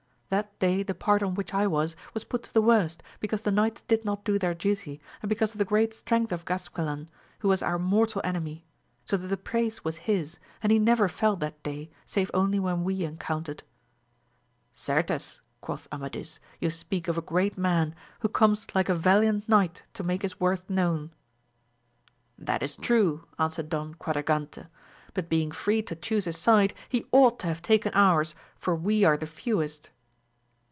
That day the part on which I was, was put to the worst, be cause the knights did not do their duty, and because of the great strength of Gasquilan, who was our mortal enemy, so that the praise was his, and he never fell that day, save only when we encountered. Certes, quoth Amadis, you speak of a great man, who comes like a valiant knight to make his worth known. That is true, answered Don Quadragante, but being free to chuse his side, he ought to have taken ours, for we are the fewest.